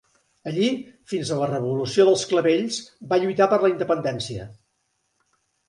Allí, fins a la Revolució dels Clavells, va lluitar per la independència.